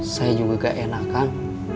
saya juga gak enakan